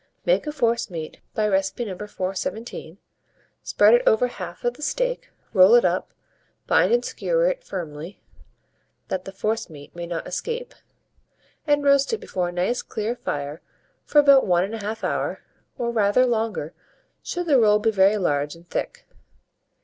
Make a forcemeat by recipe No. 417; spread it over half of the steak; roll it up, bind and skewer it firmly, that the forcemeat may not escape, and roast it before a nice clear fire for about 1 1/2 hour, or rather longer, should the roll be very large and thick.